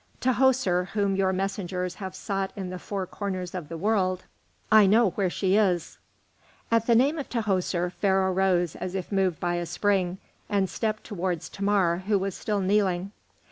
"Tahoser, whom your messengers have sought in the four corners of the world, I know where she is." At the name of Tahoser, Pharaoh rose as if moved by a spring and stepped towards Thamar, who was still kneeling.